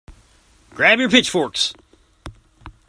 Grab your pitchforks!